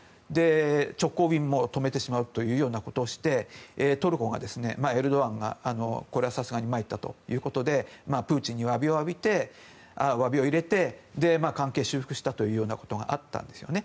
直行便も止めてしまうということをしてトルコのエルドアンが、これはさすがに参ったということでプーチンに、わびを入れて関係修復したということがあったんですよね。